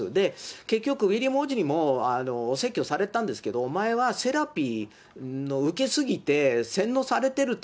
結局、ウィリアム王子にも説教されたんですけど、お前はセラピーを受けすぎて洗脳されてると。